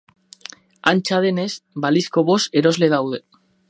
Antza denez, balizko bost erosle daude.